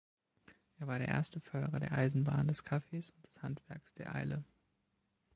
Er war der erste Förderer der Eisenbahn, des Kaffees und des Handwerks der Eile.